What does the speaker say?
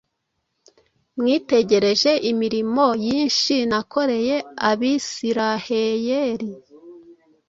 Mwitegereje imirimo yinshi nakoreye Abisiraheyeli,